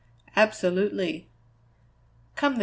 "Absolutely." "Come, then!